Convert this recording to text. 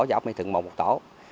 và ốc nguyễn thượng môn một tổ